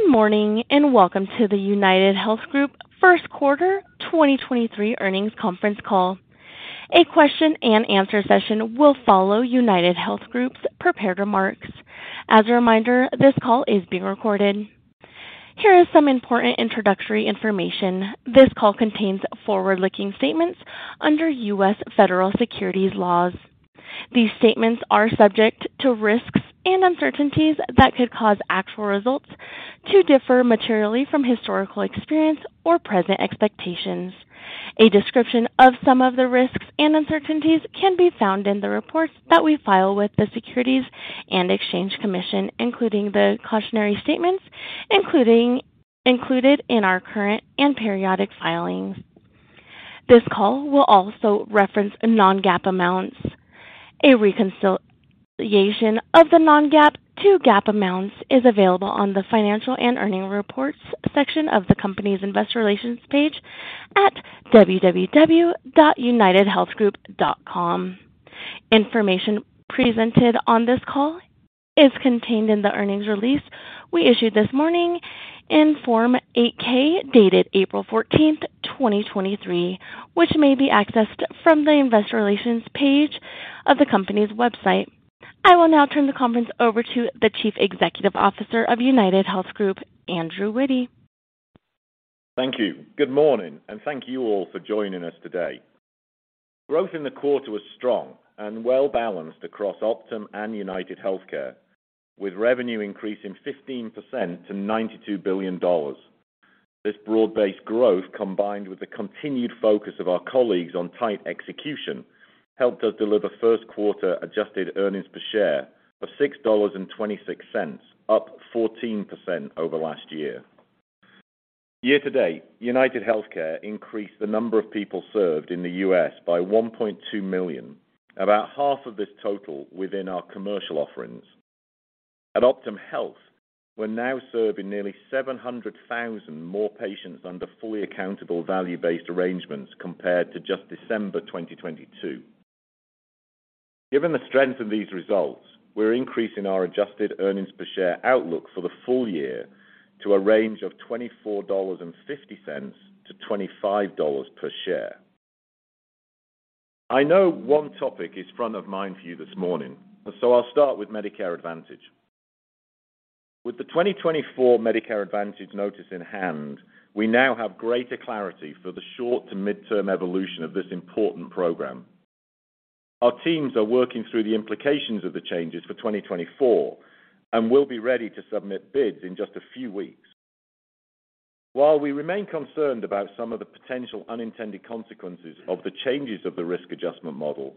Good morning. Welcome to the UnitedHealth Group Q1 2023 Earnings Conference Call. A Q&A session will follow UnitedHealth Group's prepared remarks. As a reminder, this call is being recorded. Here is some important introductory information. This call contains forward-looking statements under US Federal Securities laws. These statements are subject to risks and uncertainties that could cause actual results to differ materially from historical experience or present expectations. A description of some of the risks and uncertainties can be found in the reports that we file with the Securities and Exchange Commission, including the cautionary statements included in our current and periodic filings. This call will also reference non-GAAP amounts. A reconciliation of the non-GAAP to GAAP amounts is available on the financial and earnings reports section of the company's investor relations page at www.unitedhealthgroup.com. Information presented on this call is contained in the earnings release we issued this morning in Form 8-K, dated April 14th, 2023, which may be accessed from the investor relations page of the company's website. I will now turn the conference over to the Chief Executive Officer of UnitedHealth Group, Andrew Witty. Thank you. Good morning, and thank you all for joining us today. Growth in the quarter was strong and well-balanced across Optum and UnitedHealthcare, with revenue increasing 15% to $92 billion. This broad-based growth, combined with the continued focus of our colleagues on tight execution, helped us deliver Q1 adjusted earnings per share of $6.26, up 14% over last year. Year to date, UnitedHealthcare increased the number of people served in the U.S. by 1.2 million. About half of this total within our commercial offerings. At Optum Health, we're now serving nearly 700,000 more patients under fully accountable value-based arrangements compared to just December 2022. Given the strength of these results, we're increasing our adjusted earnings per share outlook for the full year to a range of $24.50-$25 per share. I know one topic is front of mind for you this morning. I'll start with Medicare Advantage. With the 2024 Medicare Advantage notice in hand, we now have greater clarity for the short to midterm evolution of this important program. Our teams are working through the implications of the changes for 2024 and will be ready to submit bids in just a few weeks. While we remain concerned about some of the potential unintended consequences of the changes of the risk adjustment model,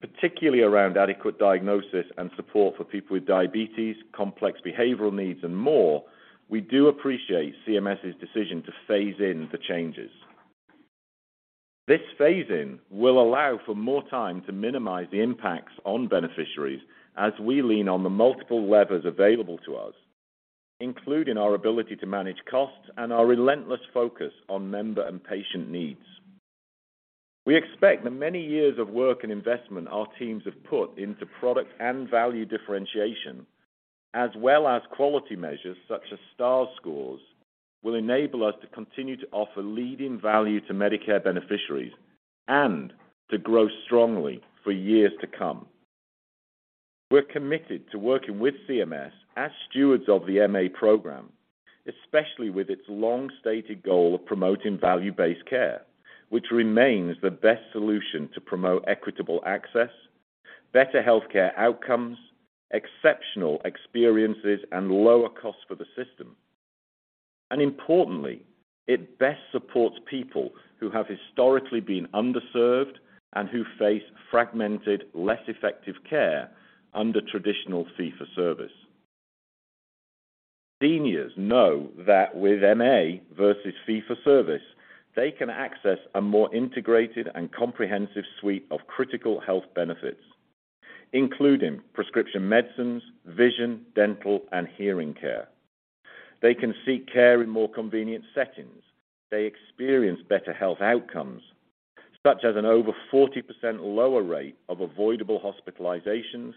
particularly around adequate diagnosis and support for people with diabetes, complex behavioral needs, and more, I do appreciate CMS's decision to phase in the changes. This phase in will allow for more time to minimize the impacts on beneficiaries as we lean on the multiple levers available to us, including our ability to manage costs and our relentless focus on member and patient needs. We expect the many years of work and investment our teams have put into product and value differentiation, as well as quality measures such as Star ratings, will enable us to continue to offer leading value to Medicare beneficiaries and to grow strongly for years to come. We're committed to working with CMS as stewards of the MA program, especially with its long-stated goal of promoting value-based care, which remains the best solution to promote equitable access, better healthcare outcomes, exceptional experiences, and lower cost for the system. Importantly, it best supports people who have historically been underserved and who face fragmented, less effective care under traditional fee for service. Seniors know that with MA versus fee for service, they can access a more integrated and comprehensive suite of critical health benefits, including prescription medicines, vision, dental, and hearing care. They can seek care in more convenient settings. They experience better health outcomes, such as an over 40% lower rate of avoidable hospitalizations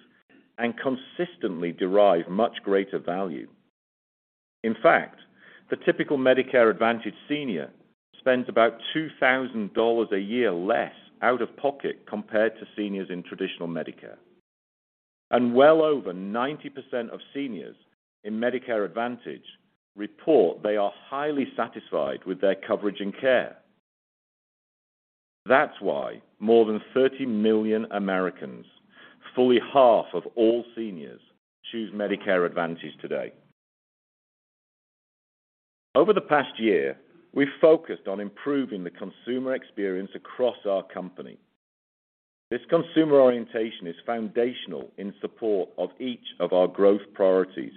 and consistently derive much greater value. In fact, the typical Medicare Advantage senior spends about $2,000 a year less out of pocket compared to seniors in traditional Medicare. Well over 90% of seniors in Medicare Advantage report they are highly satisfied with their coverage and care. That's why more than 30 million Americans, fully half of all seniors, choose Medicare Advantage today. Over the past year, we've focused on improving the consumer experience across our company. This consumer orientation is foundational in support of each of our growth priorities,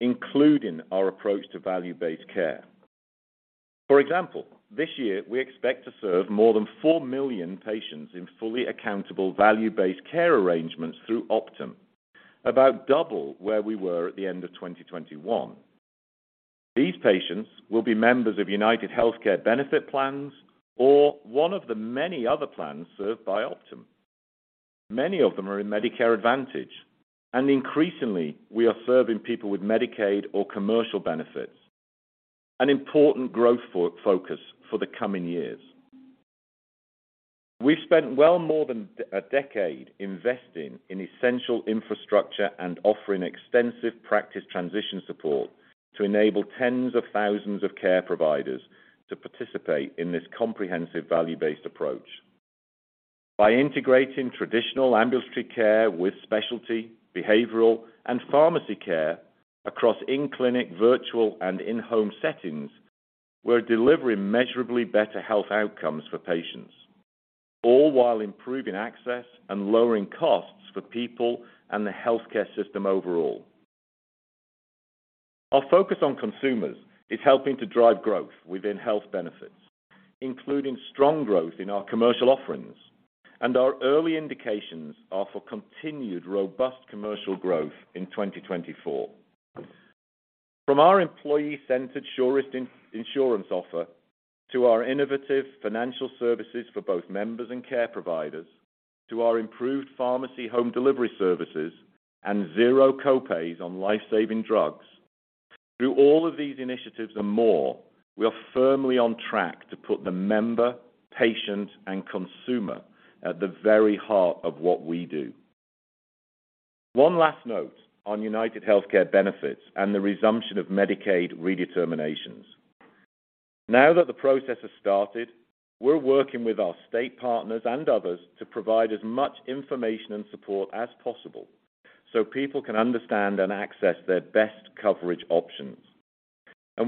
including our approach to value-based care. For example, this year we expect to serve more than 4 million patients in fully accountable value-based care arrangements through Optum, about double where we were at the end of 2021. These patients will be members of UnitedHealthcare benefit plans or one of the many other plans served by Optum. Many of them are in Medicare Advantage, and increasingly, we are serving people with Medicaid or commercial benefits, an important growth focus for the coming years. We've spent well more than a decade investing in essential infrastructure and offering extensive practice transition support to enable tens of thousands of care providers to participate in this comprehensive value-based approach. By integrating traditional ambulatory care with specialty, behavioral, and pharmacy care across in-clinic, virtual, and in-home settings, we're delivering measurably better health outcomes for patients, all while improving access and lowering costs for people and the healthcare system overall. Our focus on consumers is helping to drive growth within health benefits, including strong growth in our commercial offerings. Our early indications are for continued robust commercial growth in 2024. From our employee-centered Surest, an insurance offer to our innovative financial services for both members and care providers to our improved pharmacy home delivery services and zero copays on life-saving drugs. Through all of these initiatives and more, we are firmly on track to put the member, patient, and consumer at the very heart of what we do. One last note on UnitedHealthcare benefits and the resumption of Medicaid redeterminations. Now that the process has started, we're working with our state partners and others to provide as much information and support as possible so people can understand and access their best coverage options.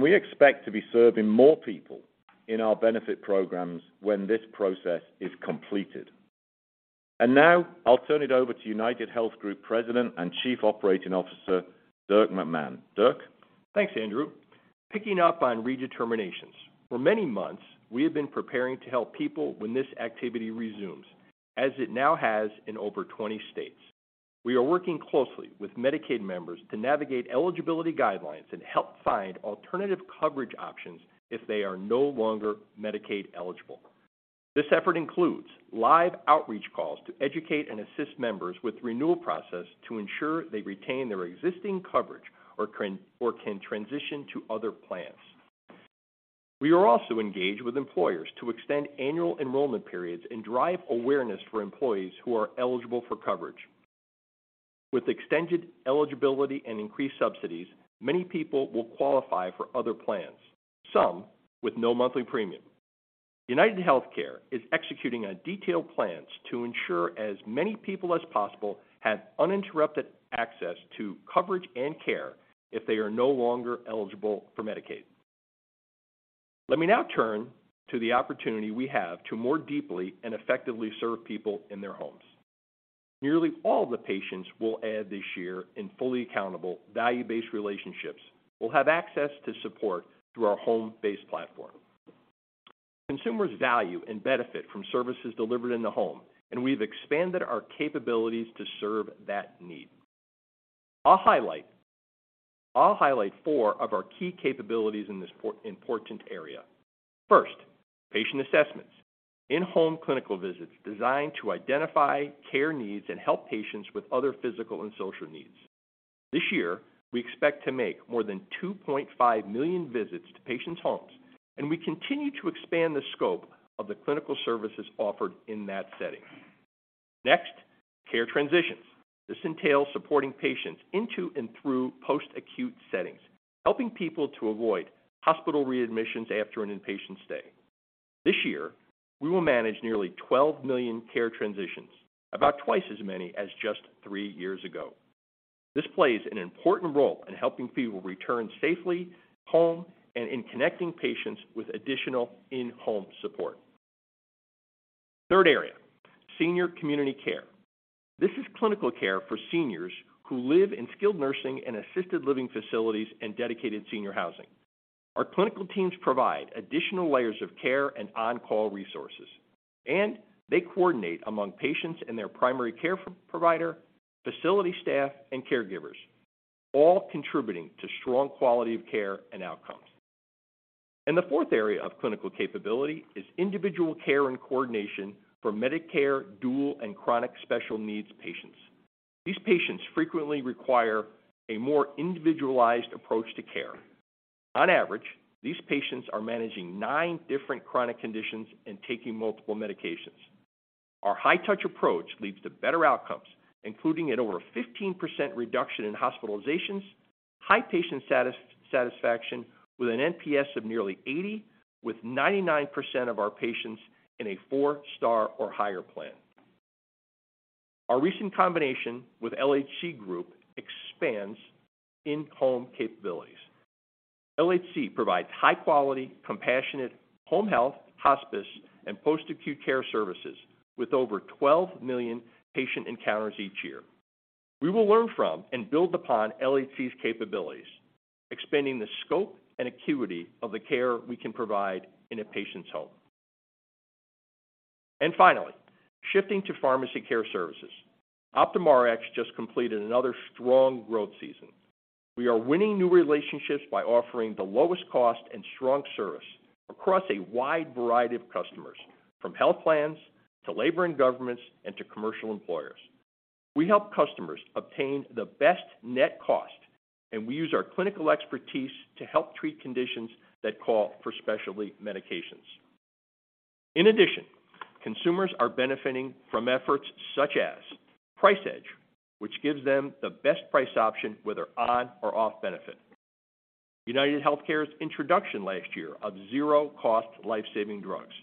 We expect to be serving more people in our benefit programs when this process is completed. Now I'll turn it over to UnitedHealth Group President and Chief Operating Officer, Dirk McMahon. Dirk. Thanks, Andrew. Picking up on redeterminations. For many months, we have been preparing to help people when this activity resumes, as it now has in over 20 states. We are working closely with Medicaid members to navigate eligibility guidelines and help find alternative coverage options if they are no longer Medicaid eligible. This effort includes live outreach calls to educate and assist members with renewal process to ensure they retain their existing coverage or can transition to other plans. We are also engaged with employers to extend annual enrollment periods and drive awareness for employees who are eligible for coverage. With extended eligibility and increased subsidies, many people will qualify for other plans, some with no monthly premium. UnitedHealthcare is executing on detailed plans to ensure as many people as possible have uninterrupted access to coverage and care if they are no longer eligible for Medicaid. Let me now turn to the opportunity we have to more deeply and effectively serve people in their homes. Nearly all the patients we'll add this year in fully accountable value-based relationships will have access to support through our home-based platform. Consumers value and benefit from services delivered in the home, and we've expanded our capabilities to serve that need. I'll highlight four of our key capabilities in this important area. First, patient assessments. In-home clinical visits designed to identify care needs and help patients with other physical and social needs. This year, we expect to make more than 2.5 million visits to patients' homes, and we continue to expand the scope of the clinical services offered in that setting. Next, care transitions. This entails supporting patients into and through post-acute settings, helping people to avoid hospital readmissions after an inpatient stay. This year, we will manage nearly 12 million care transitions, about twice as many as just 3 years ago. This plays an important role in helping people return safely home and in connecting patients with additional in-home support. Third area, senior community care. This is clinical care for seniors who live in skilled nursing and assisted living facilities and dedicated senior housing. Our clinical teams provide additional layers of care and on-call resources, and they coordinate among patients and their primary care provider, facility staff, and caregivers, all contributing to strong quality of care and outcomes. The fourth area of clinical capability is individual care and coordination for Medicare dual and chronic special needs patients. These patients frequently require a more individualized approach to care. On average, these patients are managing nine different chronic conditions and taking multiple medications. Our high touch approach leads to better outcomes, including at over 15% reduction in hospitalizations, high patient satisfaction with an NPS of nearly 80, with 99% of our patients in a 4-star or higher plan. Our recent combination with LHC Group expands in-home capabilities. LHC provides high-quality, compassionate home health, hospice, and post-acute care services with over 12 million patient encounters each year. We will learn from and build upon LHC's capabilities, expanding the scope and acuity of the care we can provide in a patient's home. Finally, shifting to pharmacy care services. Optum Rx just completed another strong growth season. We are winning new relationships by offering the lowest cost and strong service across a wide variety of customers, from health plans to labor and governments and to commercial employers. We help customers obtain the best net cost, and we use our clinical expertise to help treat conditions that call for specialty medications. In addition, consumers are benefiting from efforts such as PriceEdge, which gives them the best price option whether on or off benefit. UnitedHealthcare's introduction last year of zero cost life-saving drugs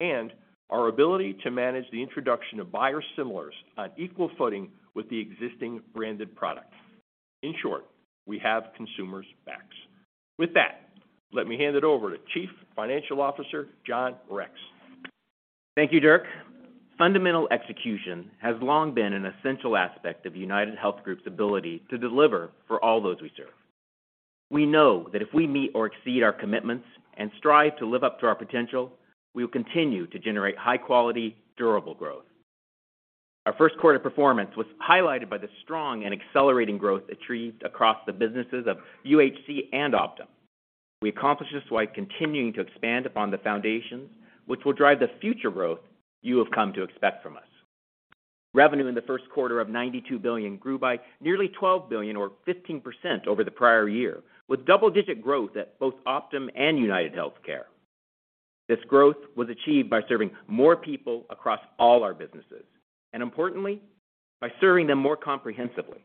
and our ability to manage the introduction of biosimilars on equal footing with the existing branded products. In short, we have consumers' backs. With that, let me hand it over to Chief Financial Officer John Rex. Thank you, Dirk. Fundamental execution has long been an essential aspect of UnitedHealth Group's ability to deliver for all those we serve. We know that if we meet or exceed our commitments and strive to live up to our potential, we will continue to generate high-quality, durable growth. Our Q1 performance was highlighted by the strong and accelerating growth achieved across the businesses of UHC and Optum. We accomplished this while continuing to expand upon the foundations which will drive the future growth you have come to expect from us. Revenue in the Q1 of $92 billion grew by nearly $12 billion or 15% over the prior year, with double-digit growth at both Optum and UnitedHealthcare. This growth was achieved by serving more people across all our businesses, and importantly, by serving them more comprehensively.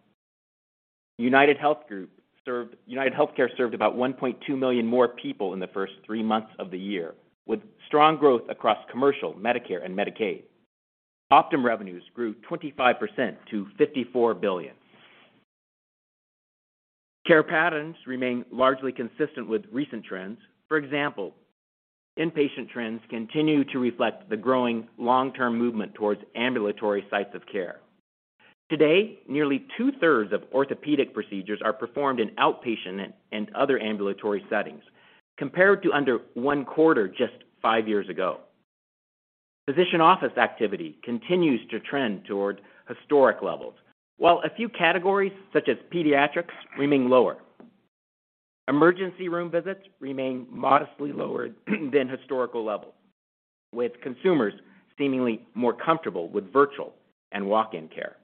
UnitedHealthcare served about 1.2 million more people in the first 3 months of the year, with strong growth across commercial Medicare and Medicaid. Optum revenues grew 25% to $54 billion. Care patterns remain largely consistent with recent trends. For example, inpatient trends continue to reflect the growing long-term movement towards ambulatory sites of care. Today, nearly two-thirds of orthopedic procedures are performed in outpatient and other ambulatory settings, compared to under one quarter just 5 years ago. Physician office activity continues to trend toward historic levels, while a few categories, such as pediatrics, remain lower. Emergency room visits remain modestly lower than historical levels, with consumers seemingly more comfortable with virtual and walk-in care.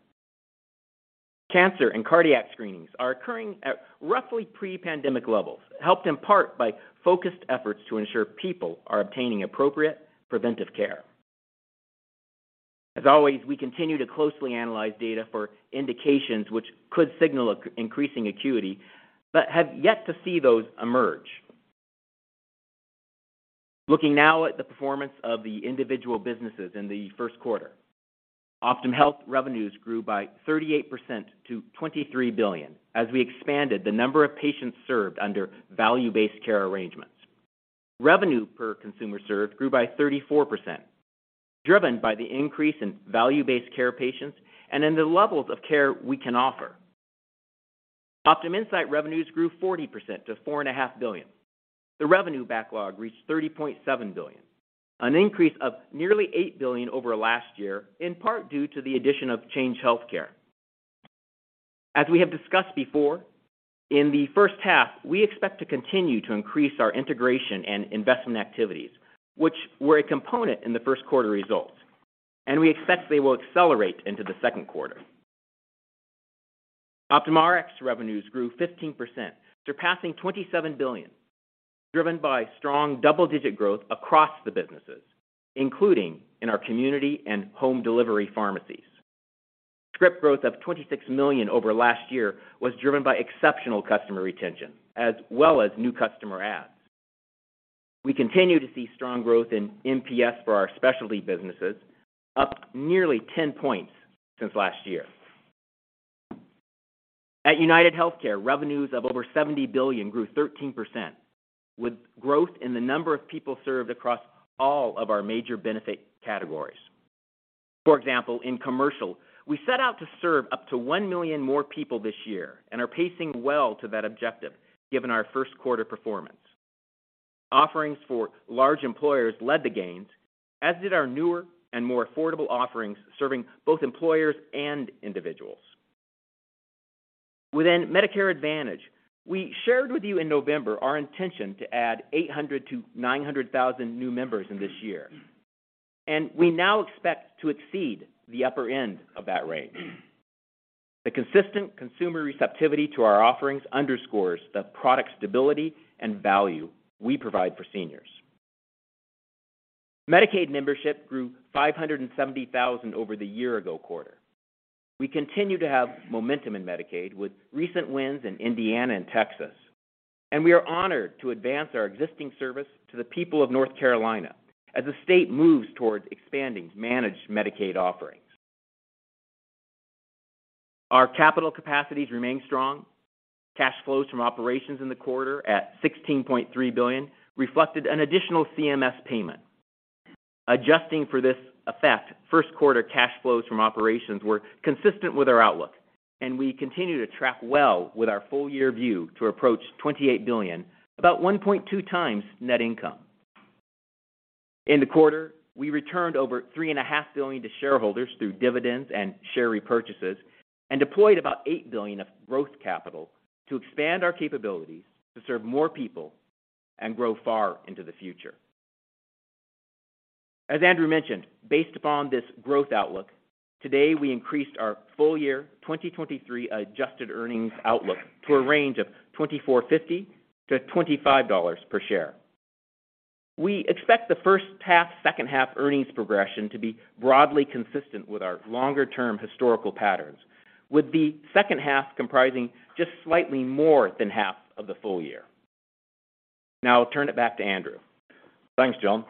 Cancer and cardiac screenings are occurring at roughly pre-pandemic levels, helped in part by focused efforts to ensure people are obtaining appropriate preventive care. As always, we continue to closely analyze data for indications which could signal increasing acuity, but have yet to see those emerge. Looking now at the performance of the individual businesses in the Q1. Optum Health revenues grew by 38% to $23 billion as we expanded the number of patients served under value-based care arrangements. Revenue per consumer served grew by 34%, driven by the increase in value-based care patients and in the levels of care we can offer. OptumInsight revenues grew 40% to $4.5 billion. The revenue backlog reached $30.7 billion, an increase of nearly $8 billion over last year, in part due to the addition of Change Healthcare. As we have discussed before, in the first half, we expect to continue to increase our integration and investment activities, which were a component in the Q1 results, and we expect they will accelerate into the Q2. Optum Rx revenues grew 15%, surpassing $27 billion, driven by strong double-digit growth across the businesses, including in our community and home delivery pharmacies. Script growth of $26 million over last year was driven by exceptional customer retention as well as new customer adds. We continue to see strong growth in NPS for our specialty businesses, up nearly 10 points since last year. At UnitedHealthcare, revenues of over $70 billion grew 13%, with growth in the number of people served across all of our major benefit categories. For example, in commercial, we set out to serve up to 1 million more people this year and are pacing well to that objective, given our Q1 performance. Offerings for large employers led the gains, as did our newer and more affordable offerings serving both employers and individuals. Within Medicare Advantage, we shared with you in November our intention to add 800,000-900,000 new members in this year. We now expect to exceed the upper end of that range. The consistent consumer receptivity to our offerings underscores the product stability and value we provide for seniors. Medicaid membership grew 570,000 over the year ago quarter. We continue to have momentum in Medicaid with recent wins in Indiana and Texas. We are honored to advance our existing service to the people of North Carolina as the state moves towards expanding managed Medicaid offerings. Our capital capacities remain strong. Cash flows from operations in the quarter at $16.3 billion reflected an additional CMS payment. Adjusting for this effect, Q1 cash flows from operations were consistent with our outlook. We continue to track well with our full year view to approach $28 billion, about 1.2x net income. In the quarter, we returned over three and a half billion to shareholders through dividends and share repurchases, and deployed about $8 billion of growth capital to expand our capabilities to serve more people and grow far into the future. As Andrew mentioned, based upon this growth outlook, today we increased our full year 2023 adjusted earnings outlook to a range of $24.50-$25 per share. We expect the first half, second half earnings progression to be broadly consistent with our longer-term historical patterns, with the second half comprising just slightly more than half of the full year. I'll turn it back to Andrew. Thanks, John.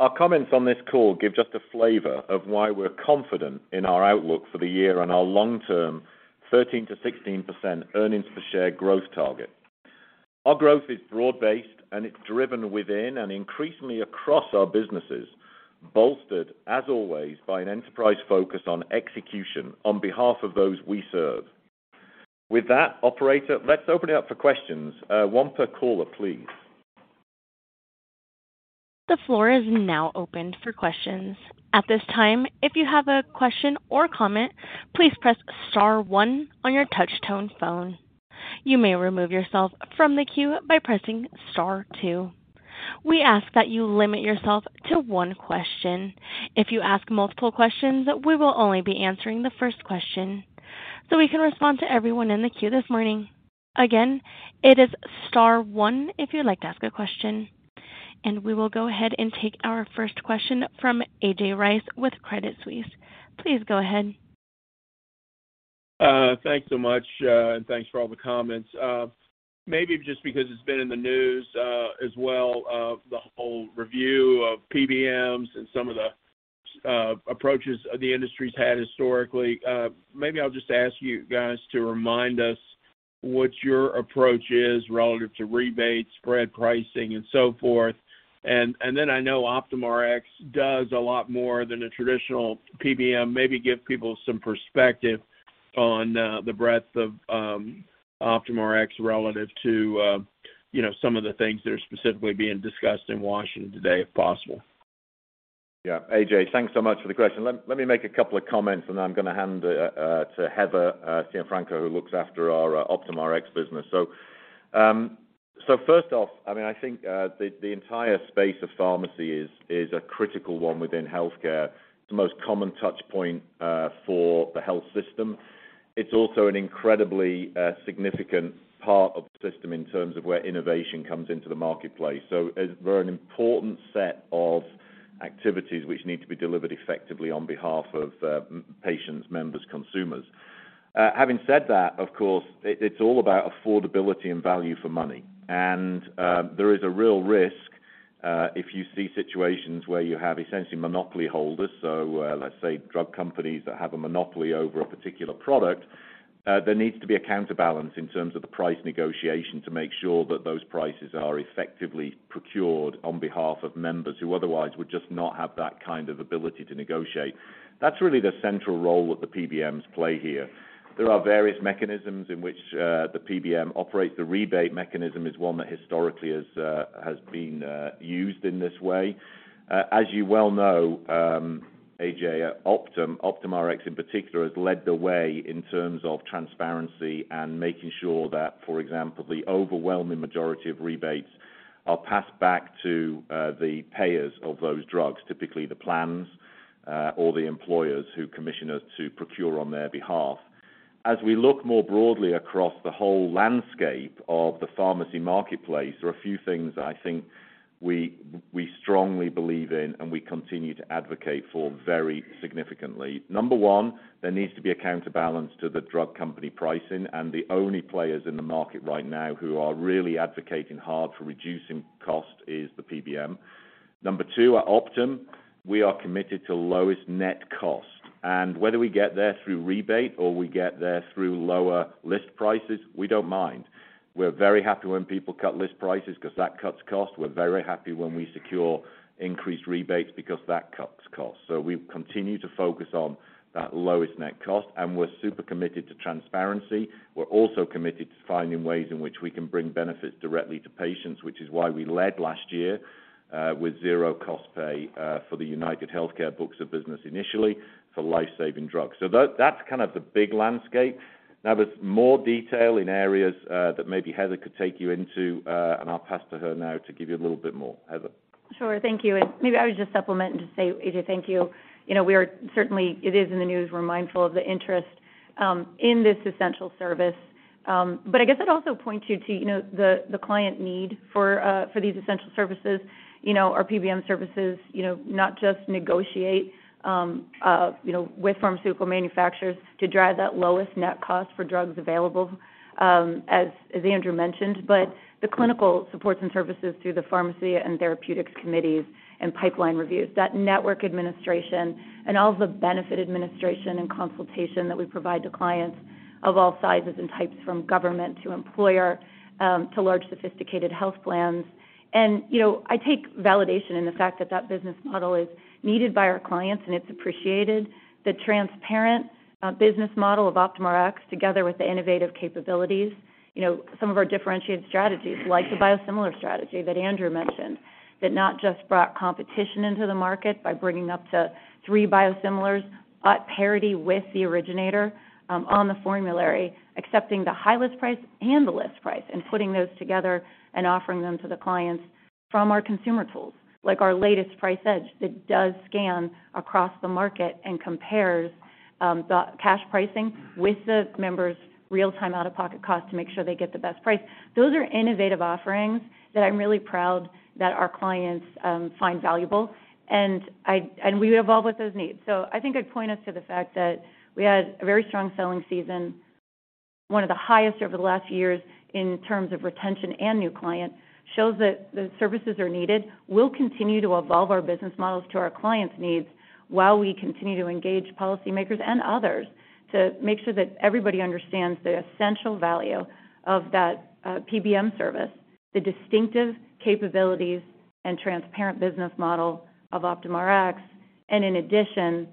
Our comments on this call give just a flavor of why we're confident in our outlook for the year on our long-term 13%-16% earnings per share growth target. Our growth is broad-based, It's driven within and increasingly across our businesses, bolstered, as always, by an enterprise focus on execution on behalf of those we serve. With that, operator, let's open it up for questions. One per caller, please. The floor is now open for questions. At this time, if you have a question or comment, please press star one on your touch tone phone. You may remove yourself from the queue by pressing star two. We ask that you limit yourself to 1 question. If you ask multiple questions, we will only be answering the first question, we can respond to everyone in the queue this morning. Again, it is star one if you'd like to ask a question. We will go ahead and take our first question from A.J. Rice with Credit Suisse. Please go ahead. Thanks so much, and thanks for all the comments. Maybe just because it's been in the news, as well, the whole review of PBMs and some of the approaches the industry's had historically, maybe I'll just ask you guys to remind us what your approach is relative to rebates, spread pricing, and so forth. Then I know Optum Rx does a lot more than a traditional PBM. Maybe give people some perspective on the breadth of Optum Rx relative to, you know, some of the things that are specifically being discussed in Washington today, if possible. Yeah. A.J. thanks so much for the question. Let me make a couple of comments, and then I'm gonna hand it to Heather Cianfrocco, who looks after our Optum Rx business. First off, I mean, I think the entire space of pharmacy is a critical one within healthcare. It's the most common touch point for the health system. It's also an incredibly significant part of the system in terms of where innovation comes into the marketplace. There's an important set of activities which need to be delivered effectively on behalf of patients, members, consumers. Having said that, of course, it's all about affordability and value for money. There is a real risk, if you see situations where you have essentially monopoly holders, so, let's say drug companies that have a monopoly over a particular product, there needs to be a counterbalance in terms of the price negotiation to make sure that those prices are effectively procured on behalf of members who otherwise would just not have that kind of ability to negotiate. That's really the central role that the PBMs play here. There are various mechanisms in which the PBM operates. The rebate mechanism is one that historically has been used in this way. As you well know, A.J., Optum Rx in particular, has led the way in terms of transparency and making sure that, for example, the overwhelming majority of rebates are passed back to the payers of those drugs, typically the plans, or the employers who commission us to procure on their behalf. As we look more broadly across the whole landscape of the pharmacy marketplace, there are a few things that I think we strongly believe in and we continue to advocate for very significantly. Number 1, there needs to be a counterbalance to the drug company pricing, and the only players in the market right now who are really advocating hard for reducing cost is the PBM. Number 2, at Optum, we are committed to lowest net cost. Whether we get there through rebate or we get there through lower list prices, we don't mind. We're very happy when people cut list prices 'cause that cuts costs. We're very happy when we secure increased rebates because that cuts costs. We continue to focus on that lowest net cost, and we're super committed to transparency. We're also committed to finding ways in which we can bring benefits directly to patients, which is why we led last year with zero cost pay for the UnitedHealthcare books of business initially for life-saving drugs. That, that's kind of the big landscape. There's more detail in areas that maybe Heather could take you into, and I'll pass to her now to give you a little bit more. Heather. Sure. Thank you. Maybe I would just supplement and just say, A.J. Rice, thank you. You know, we are certainly it is in the news, we're mindful of the interest in this essential service. I guess I'd also point you to, you know, the client need for these essential services. You know, our PBM services, you know, not just negotiate, you know, with pharmaceutical manufacturers to drive that lowest net cost for drugs available, as Andrew Witty mentioned, but the clinical supports and services through the pharmacy and therapeutics committees and pipeline reviews. That network administration and all of the benefit administration and consultation that we provide to clients of all sizes and types, from government to employer, to large sophisticated health plans. You know, I take validation in the fact that that business model is needed by our clients, and it's appreciated. The transparent business model of Optum Rx, together with the innovative capabilities, you know, some of our differentiated strategies, like the biosimilar strategy that Andrew mentioned, that not just brought competition into the market by bringing up to three biosimilars at parity with the originator on the formulary, accepting the highest price and the list price and putting those together and offering them to the clients from our consumer tools. Like our latest PriceEdge that does scan across the market and compares the cash pricing with the members' real-time out-of-pocket cost to make sure they get the best price. Those are innovative offerings that I'm really proud that our clients find valuable, and we evolve with those needs. I think I'd point us to the fact that we had a very strong selling season, one of the highest over the last years in terms of retention and new clients, shows that the services are needed. We'll continue to evolve our business models to our clients' needs while we continue to engage policymakers and others to make sure that everybody understands the essential value of that PBM service, the distinctive capabilities and transparent business model of Optum Rx, and in addition,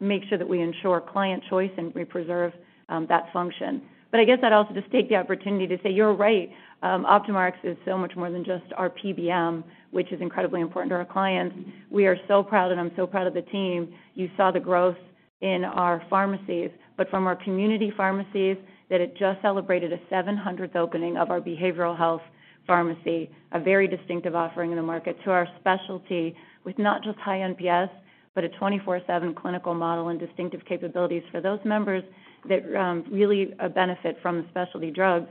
make sure that we ensure client choice, and we preserve that function. I guess I'd also just take the opportunity to say you're right. Optum Rx is so much more than just our PBM, which is incredibly important to our clients. We are so proud, and I'm so proud of the team. You saw the growth in our pharmacies, from our community pharmacies, that it just celebrated a 700th opening of our behavioral health pharmacy, a very distinctive offering in the market, to our specialty with not just high NPS, a 24/7 clinical model and distinctive capabilities for those members that really benefit from specialty drugs,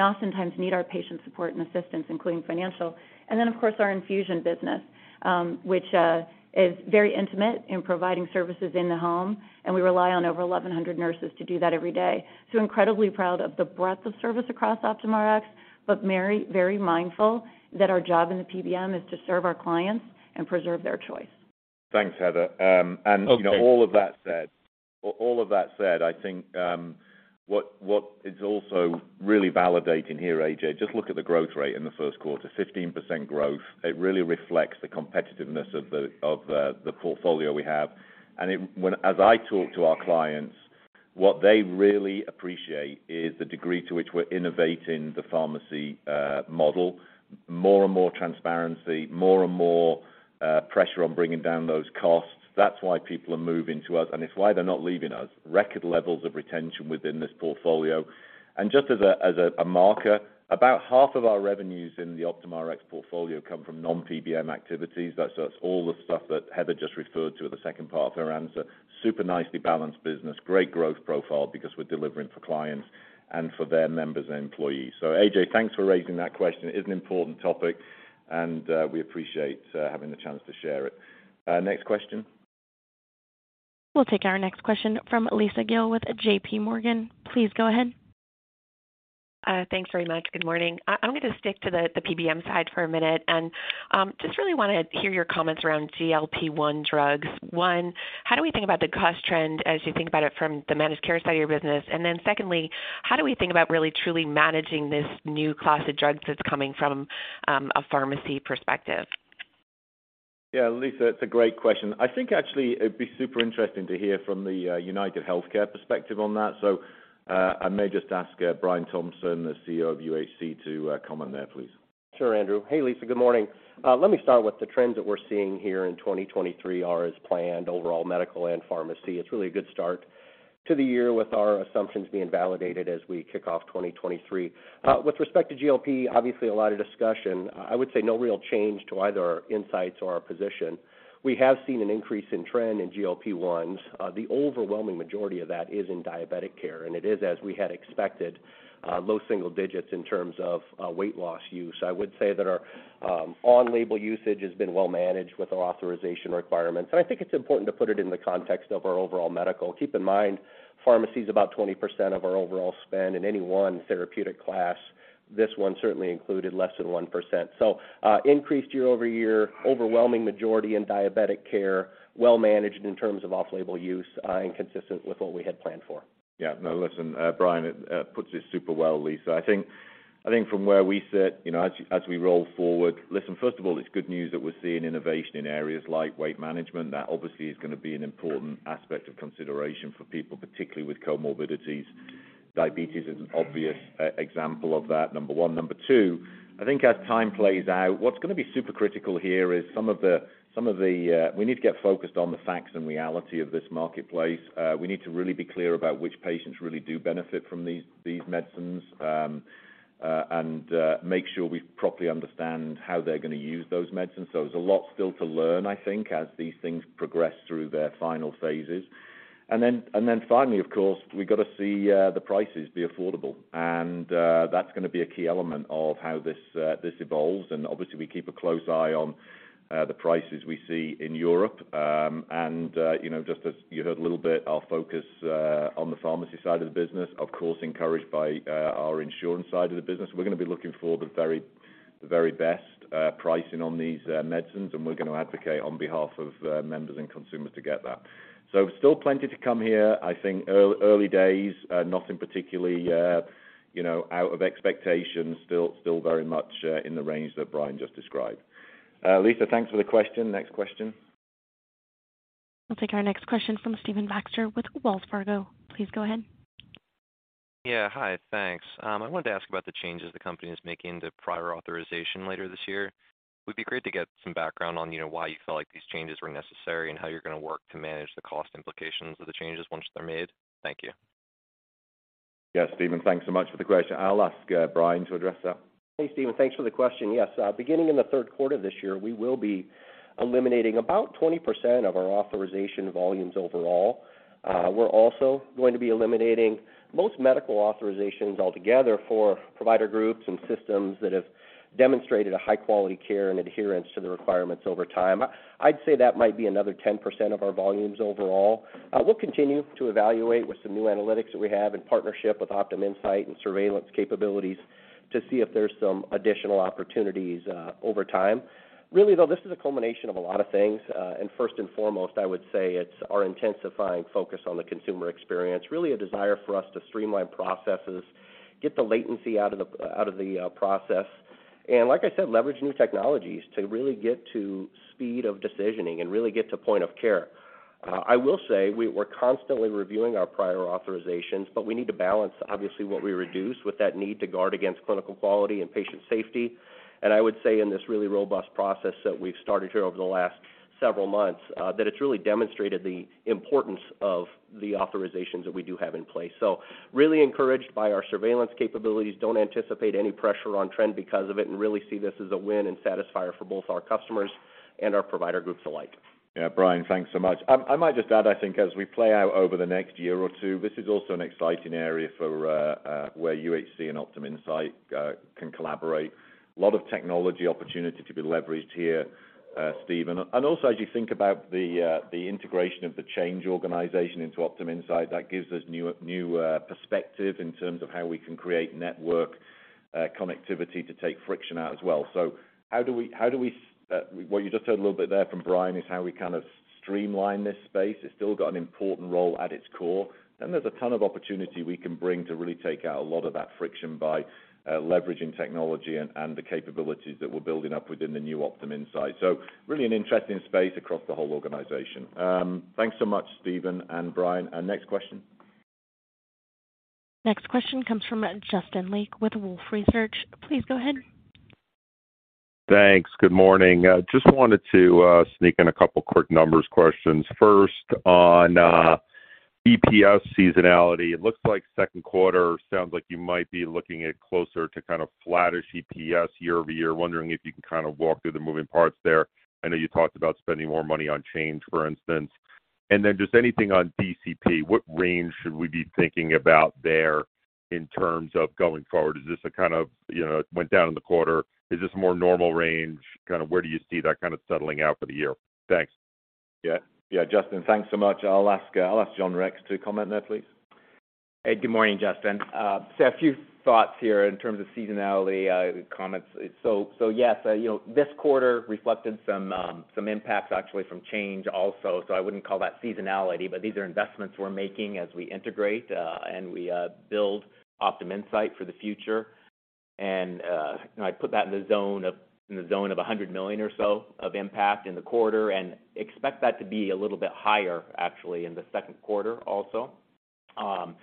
oftentimes need our patient support and assistance, including financial. Of course, our infusion business, which is very intimate in providing services in the home, and we rely on over 1,100 nurses to do that every day. Incredibly proud of the breadth of service across Optum Rx, but very, very mindful that our job in the PBM is to serve our clients and preserve their choice. Thanks, Heather. Okay. You know, all of that said, I think, what is also really validating here, A.J., just look at the growth rate in the Q1, 15% growth. It really reflects the competitiveness of the portfolio we have. As I talk to our clients, what they really appreciate is the degree to which we're innovating the pharmacy model. More and more transparency, more and more pressure on bringing down those costs. That's why people are moving to us, and it's why they're not leaving us. Record levels of retention within this portfolio. Just as a marker, about half of our revenues in the Optum Rx portfolio come from non-PBM activities. That serves all the stuff that Heather just referred to in the second part of her answer. Super nicely balanced business. Great growth profile because we're delivering for clients and for their members and employees. A.J., thanks for raising that question. It is an important topic, and we appreciate having the chance to share it. Next question. We'll take our next question from Lisa Gill with J.P. Morgan. Please go ahead. Thanks very much. Good morning. I'm gonna stick to the PBM side for a minute, and just really wanna hear your comments around GLP-1 drugs. One, how do we think about the cost trend as you think about it from the managed care side of your business? Then secondly, how do we think about really truly managing this new class of drugs that's coming from a pharmacy perspective? Lisa, it's a great question. I think actually it'd be super interesting to hear from the UnitedHealthcare perspective on that. I may just ask Brian Thompson, the CEO of UHC, to comment there, please. Sure, Andrew. Hey, Lisa. Good morning. Let me start with the trends that we're seeing here in 2023 are as planned overall medical and pharmacy. It's really a good start to the year with our assumptions being validated as we kick off 2023. With respect to GLP, obviously a lot of discussion. I would say no real change to either our insights or our position. We have seen an increase in trend in GLP-1s. The overwhelming majority of that is in diabetic care, and it is, as we had expected, low single digits in terms of weight loss use. I would say that our on-label usage has been well managed with our authorization requirements, and I think it's important to put it in the context of our overall medical. Keep in mind, pharmacy's about 20% of our overall spend in any one therapeutic class. This one certainly included less than 1%. Increased year-over-year, overwhelming majority in diabetic care, well managed in terms of off-label use, and consistent with what we had planned for. Yeah. No, listen, Brian, it puts it super well, Lisa. I think from where we sit, you know, as we roll forward, listen, first of all, it's good news that we're seeing innovation in areas like weight management. That obviously is gonna be an important aspect of consideration for people, particularly with comorbidities. Diabetes is an obvious example of that, number one. Number two, I think as time plays out, what's gonna be super critical here is we need to get focused on the facts and reality of this marketplace. We need to really be clear about which patients really do benefit from these medicines and make sure we properly understand how they're gonna use those medicines. There's a lot still to learn, I think, as these things progress through their final phases. Finally, of course, we've got to see the prices be affordable. That's gonna be a key element of how this evolves. Obviously, we keep a close eye on the prices we see in Europe, and, you know, just as you heard a little bit, our focus on the pharmacy side of the business, of course, encouraged by our insurance side of the business. We're gonna be looking for the very best pricing on these medicines, and we're gonna advocate on behalf of members and consumers to get that. Still plenty to come here. I think early days, nothing particularly, you know, out of expectations. Still very much in the range that Brian just described. Lisa, thanks for the question. Next question. We'll take our next question from Stephen Baxter with Wells Fargo. Please go ahead. Yeah. Hi. Thanks. I wanted to ask about the changes the company is making to prior authorization later this year. Would be great to get some background on, you know, why you feel like these changes were necessary and how you're gonna work to manage the cost implications of the changes once they're made. Thank you. Yes, Stephen, thanks so much for the question. I'll ask Brian to address that. Hey, Stephen. Thanks for the question. Yes, beginning in the Q3 this year, we will be eliminating about 20% of our authorization volumes overall. We're also going to be eliminating most medical authorizations altogether for provider groups and systems that have demonstrated a high quality care and adherence to the requirements over time. I'd say that might be another 10% of our volumes overall. We'll continue to evaluate with some new analytics that we have in partnership with OptumInsight and surveillance capabilities to see if there's some additional opportunities over time. Really, though, this is a culmination of a lot of things. First and foremost, I would say it's our intensifying focus on the consumer experience, really a desire for us to streamline processes, get the latency out of the process. Like I said, leverage new technologies to really get to speed of decisioning and really get to point of care. I will say we're constantly reviewing our prior authorizations, but we need to balance obviously what we reduce with that need to guard against clinical quality and patient safety. I would say in this really robust process that we've started here over the last several months, that it's really demonstrated the importance of the authorizations that we do have in place. Really encouraged by our surveillance capabilities. Don't anticipate any pressure on trend because of it, and really see this as a win and satisfier for both our customers and our provider groups alike. Yeah. Brian, thanks so much. I might just add, I think as we play out over the next year or two, this is also an exciting area for where UHC and OptumInsight can collaborate. A lot of technology opportunity to be leveraged here, Stephen. Also as you think about the integration of the Change organization into OptumInsight, that gives us new perspective in terms of how we can create network connectivity to take friction out as well. How do we... what you just heard a little bit there from Brian is how we kind of streamline this space. It's still got an important role at its core, there's a ton of opportunity we can bring to really take out a lot of that friction by leveraging technology and the capabilities that we're building up within the new OptumInsight. Really an interesting space across the whole organization. Thanks so much, Stephen and Brian. Next question. Next question comes from Justin Lake with Wolfe Research. Please go ahead. Thanks. Good morning. Just wanted to sneak in 2 quick numbers questions. First on EPS seasonality. It looks like Q2 sounds like you might be looking at closer to kind of flattish EPS year-over-year. Wondering if you can kind of walk through the moving parts there. I know you talked about spending more money on Change, for instance. Then just anything on DCP, what range should we be thinking about there in terms of going forward? Is this a kind of, you know, went down in the quarter, is this more normal range? Kind of where do you see that kind of settling out for the year? Thanks. Yeah. Yeah. Justin, thanks so much. I'll ask John Rex to comment there, please. Hey, good morning, Justin Lake. A few thoughts here in terms of seasonality, comments. Yes, you know, this quarter reflected some impacts actually from Change Healthcare also. I wouldn't call that seasonality, but these are investments we're making as we integrate and we build OptumInsight for the future. I put that in the zone of $100 million or so of impact in the quarter, and expect that to be a little bit higher actually in the Q2 also. In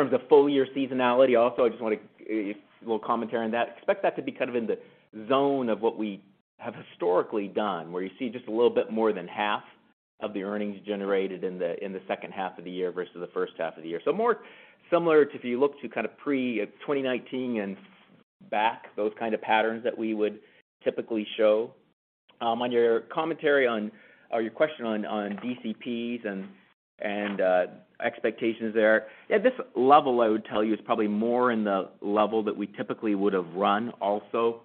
terms of full year seasonality also, I just want a little commentary on that. Expect that to be kind of in the zone of what we have historically done, where you see just a little bit more than half of the earnings generated in the second half of the year versus the first half of the year. More similar to, if you look to kind of pre-2019 and back, those kind of patterns that we would typically show. On your commentary on or your question on DCPs and expectations there. Yeah, this level, I would tell you, is probably more in the level that we typically would have run also,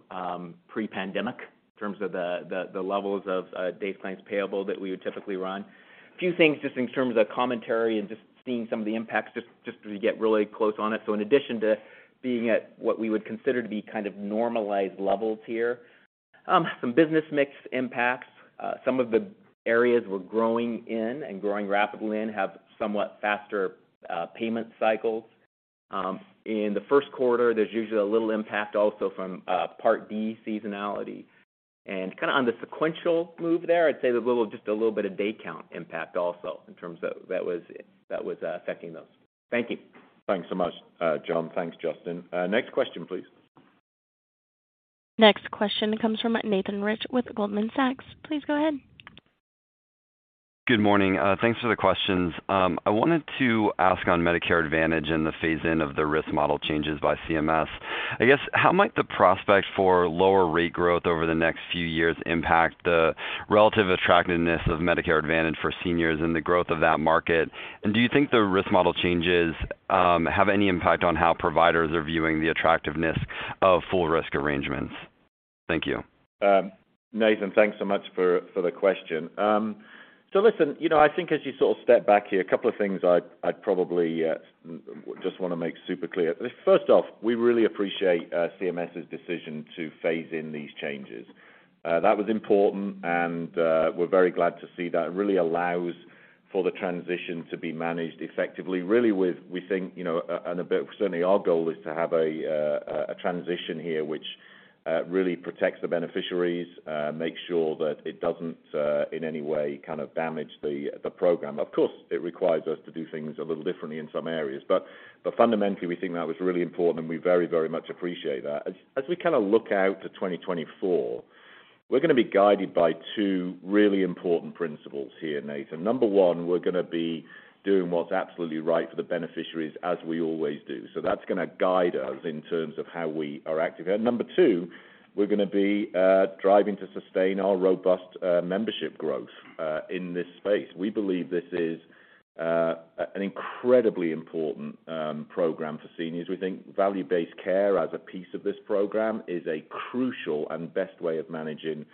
pre-pandemic in terms of the levels of days sales payable that we would typically run. A few things just in terms of commentary and just seeing some of the impacts just as we get really close on it. In addition to being at what we would consider to be kind of normalized levels here, some business mix impacts, some of the areas we're growing in and growing rapidly in have somewhat faster payment cycles. In the Q1, there's usually a little impact also from Part D seasonality. Kinda on the sequential move there, I'd say there's a little, just a little bit of day count impact also in terms of that was affecting those. Thank you. Thanks so much, John. Thanks, Justin. Next question, please. Next question comes from Nathan Rich with Goldman Sachs. Please go ahead. Good morning. Thanks for the questions. I wanted to ask on Medicare Advantage and the phase in of the risk model changes by CMS. I guess, how might the prospect for lower rate growth over the next few years impact the relative attractiveness of Medicare Advantage for seniors and the growth of that market? Do you think the risk model changes, have any impact on how providers are viewing the attractiveness of full risk arrangements? Thank you. Nathan, thanks so much for the question. Listen, you know, I think as you sort of step back here, a couple of things I'd probably just wanna make super clear. First off, we really appreciate CMS's decision to phase in these changes. That was important, we're very glad to see that. It really allows for the transition to be managed effectively. We think, you know, and a bit certainly our goal is to have a transition here which really protects the beneficiaries, makes sure that it doesn't in any way kind of damage the program. Of course, it requires us to do things a little differently in some areas. Fundamentally, we think that was really important, and we very much appreciate that. As we kinda look out to 2024, we're gonna be guided by 2 really important principles here, Nathan. Number 1, we're gonna be doing what's absolutely right for the beneficiaries as we always do. That's gonna guide us in terms of how we are acting. Number 2, we're gonna be driving to sustain our robust membership growth in this space. We believe this is an incredibly important program for seniors. We think value-based care as a piece of this program is a crucial and best way of managing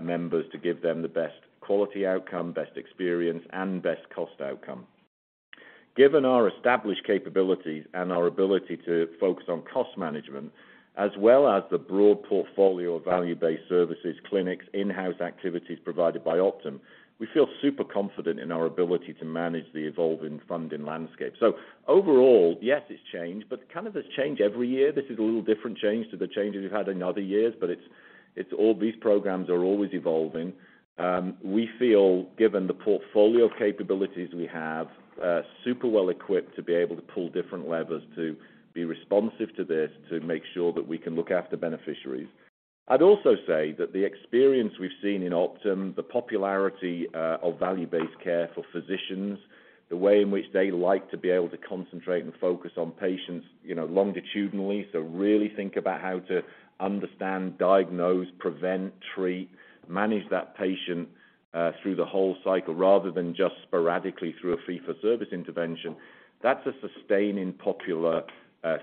members to give them the best quality outcome, best experience, and best cost outcome. Given our established capabilities and our ability to focus on cost management, as well as the broad portfolio of value-based services, clinics, in-house activities provided by Optum, we feel super confident in our ability to manage the evolving funding landscape. Overall, yes, it's changed, but kind of it's change every year. This is a little different change to the changes we've had in other years, but it's these programs are always evolving. We feel given the portfolio capabilities we have, super well equipped to be able to pull different levers to be responsive to this, to make sure that we can look after beneficiaries. I'd also say that the experience we've seen in Optum, the popularity of value-based care for physicians, the way in which they like to be able to concentrate and focus on patients, you know, longitudinally. Really think about how to understand, diagnose, prevent, treat, manage that patient through the whole cycle, rather than just sporadically through a fee-for-service intervention. That's a sustaining popular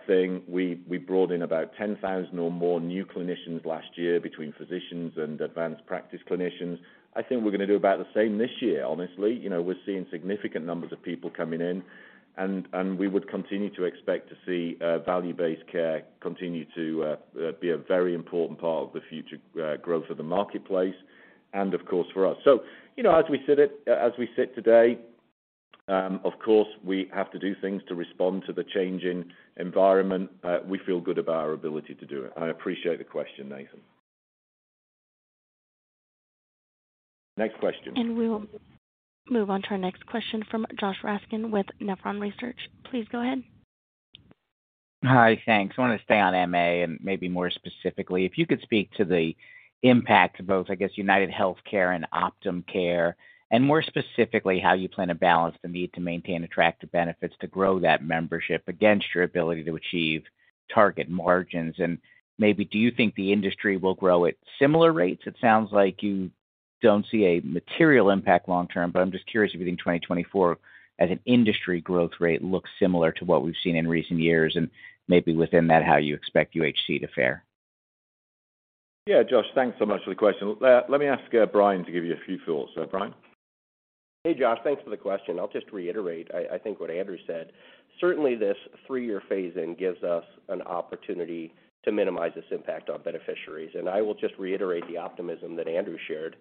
thing. We brought in about 10,000 or more new clinicians last year between physicians and advanced practice clinicians. I think we're gonna do about the same this year, honestly. You know, we're seeing significant numbers of people coming in, and we would continue to expect to see value-based care continue to be a very important part of the future growth of the marketplace, and of course, for us. You know, as we sit today, of course, we have to do things to respond to the changing environment. We feel good about our ability to do it. I appreciate the question, Nathan. Next question. We will move on to our next question from Josh Raskin with Nephron Research. Please go ahead. Hi. Thanks. I wanna stay on MA and maybe more specifically, if you could speak to the impact of both, I guess, UnitedHealthcare and Optum Care, and more specifically, how you plan to balance the need to maintain attractive benefits to grow that membership against your ability to achieve target margins? Maybe do you think the industry will grow at similar rates? It sounds like you don't see a material impact long term, but I'm just curious if you think 2024 as an industry growth rate looks similar to what we've seen in recent years, maybe within that, how you expect UHC to fare? Yeah. Josh, thanks so much for the question. Let me ask Brian to give you a few thoughts. Brian? Hey, Josh. Thanks for the question. I'll just reiterate, I think what Andrew said. Certainly this three-year phase-in gives us an opportunity to minimize this impact on beneficiaries. I will just reiterate the optimism that Andrew shared.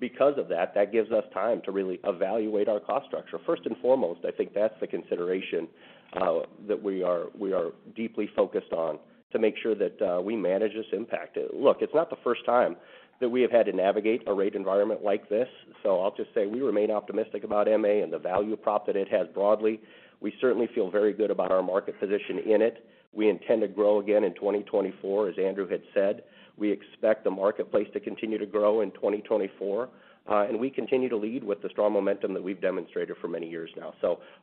Because of that gives us time to really evaluate our cost structure. First and foremost, I think that's the consideration that we are, we are deeply focused on to make sure that we manage this impact. Look, it's not the first time that we have had to navigate a rate environment like this. I'll just say we remain optimistic about MA and the value prop that it has broadly. We certainly feel very good about our market position in it. We intend to grow again in 2024, as Andrew had said. We expect the marketplace to continue to grow in 2024. We continue to lead with the strong momentum that we've demonstrated for many years now.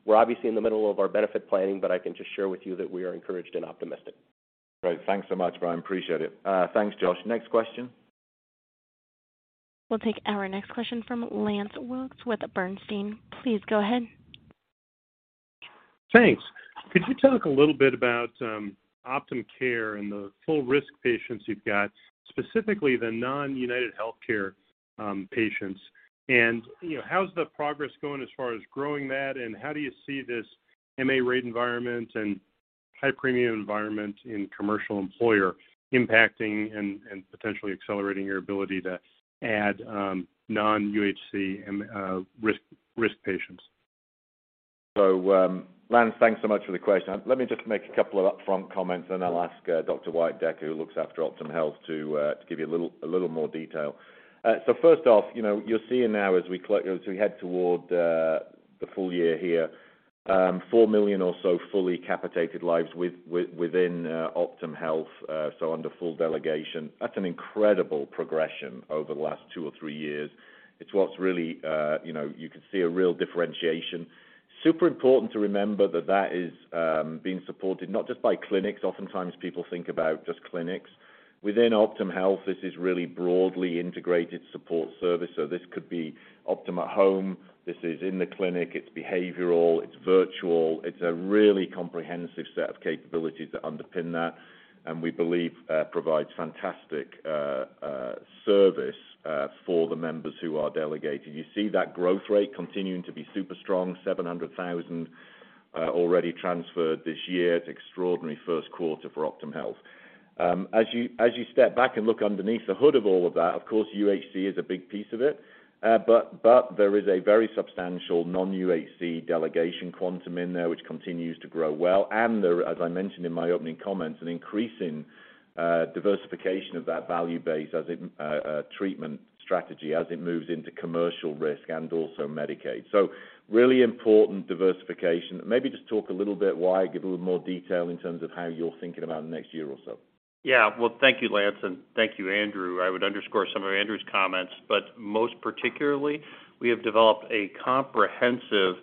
We're obviously in the middle of our benefit planning, but I can just share with you that we are encouraged and optimistic. Great. Thanks so much, Brian. Appreciate it. Thanks, Josh. Next question. We'll take our next question from Lance Wilkes with Bernstein. Please go ahead. Thanks. Could you talk a little bit about Optum Care and the full risk patients you've got, specifically the non-UnitedHealthcare patients? you know, how's the progress going as far as growing that, and how do you see this MA rate environment and high premium environment in commercial employer impacting and potentially accelerating your ability to add non-UHC and risk patients? Lance, thanks so much for the question. Let me just make a couple of upfront comments, and I'll ask Dr. Decker, who looks after Optum Health, to give you a little, a little more detail. First off, you know, you're seeing now as we head toward the full year here, 4 million or so fully capitated lives within Optum Health, so under full delegation. That's an incredible progression over the last 2 or 3 years. It's what's really, you know, you can see a real differentiation. Super important to remember that that is being supported not just by clinics. Oftentimes people think about just clinics. Within Optum Health, this is really broadly integrated support service. This could be Optum at Home. This is in the clinic, it's behavioral, it's virtual. It's a really comprehensive set of capabilities that underpin that, and we believe provides fantastic service for the members who are delegating. You see that growth rate continuing to be super strong, 700,000 already transferred this year. It's extraordinary Q1 for Optum Health. As you step back and look underneath the hood of all of that, of course, UHC is a big piece of it. But there is a very substantial non-UHC delegation quantum in there, which continues to grow well. As I mentioned in my opening comments, an increasing diversification of that value base as it treatment strategy as it moves into commercial risk and also Medicaid. Really important diversification. Maybe just talk a little bit why, give a little more detail in terms of how you're thinking about next year or so. Well, thank you, Lance, and thank you, Andrew. I would underscore some of Andrew's comments, but most particularly, we have developed a comprehensive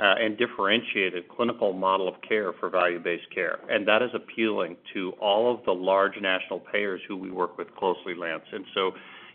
and differentiated clinical model of care for value-based care, and that is appealing to all of the large national payers who we work with closely, Lance.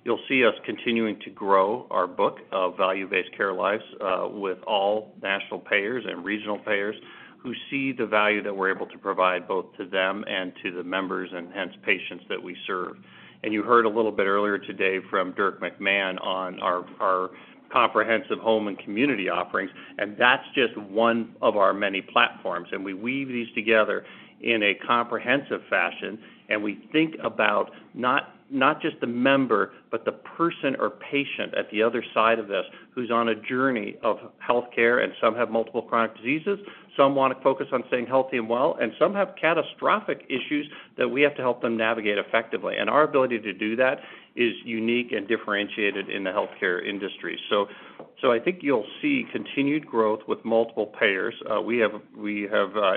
You'll see us continuing to grow our book of value-based care lives with all national payers and regional payers who see the value that we're able to provide both to them and to the members and hence patients that we serve. You heard a little earlier today from Dirk McMahon on our comprehensive home and community offerings, and that's just one of our many platforms. We weave these together in a comprehensive fashion, and we think about not just the member, but the person or patient at the other side of this who's on a journey of healthcare. Some have multiple chronic diseases. Some want to focus on staying healthy and well. Some have catastrophic issues that we have to help them navigate effectively. Our ability to do that is unique and differentiated in the healthcare industry. I think you'll see continued growth with multiple payers. We have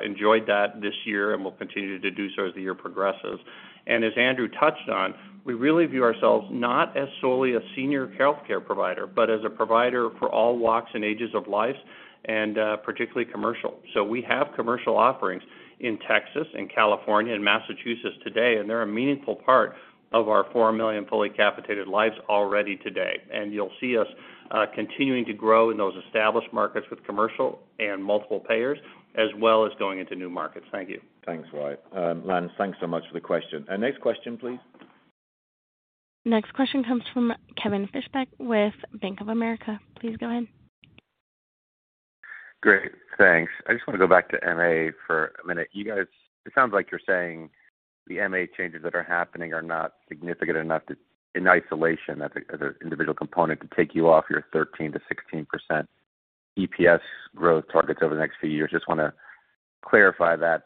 enjoyed that this year, and we'll continue to do so as the year progresses. As Andrew touched on, we really view ourselves not as solely a senior healthcare provider, but as a provider for all walks and ages of life and particularly commercial. We have commercial offerings in Texas and California and Massachusetts today. They're a meaningful part of our 4 million fully capitated lives already today. You'll see us continuing to grow in those established markets with commercial and multiple payers, as well as going into new markets. Thank you. Thanks, Wyatt. Lance, thanks so much for the question. Next question, please. Next question comes from Kevin Fischbeck with Bank of America. Please go ahead. Great. Thanks. I just wanna go back to MA for a minute. It sounds like you're saying the MA changes that are happening are not significant enough in isolation as an individual component to take you off your 13% to 16% EPS growth targets over the next few years. Just wanna clarify that.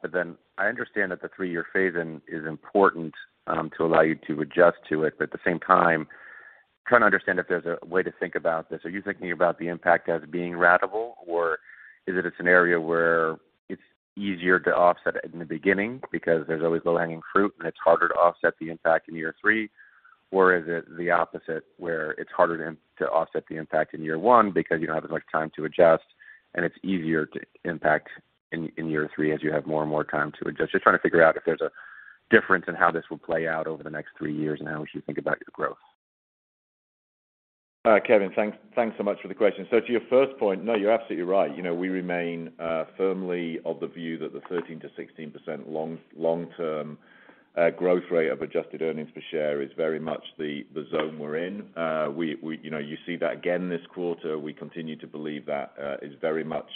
I understand that the three-year phase-in is important to allow you to adjust to it. At the same time, trying to understand if there's a way to think about this. Are you thinking about the impact as being ratable, or is it a scenario where it's easier to offset it in the beginning because there's always low-hanging fruit, and it's harder to offset the impact in year 3? Is it the opposite, where it's harder to offset the impact in year 1 because you don't have as much time to adjust, and it's easier to impact in year 3 as you have more and more time to adjust? Just trying to figure out if there's a difference in how this will play out over the next 3 years and how we should think about your growth. Kevin, thanks so much for the question. To your first point, no, you're absolutely right. You know, we remain firmly of the view that the 13%-16% long-term growth rate of adjusted earnings per share is very much the zone we're in. We, you know, you see that again this quarter. We continue to believe that is very much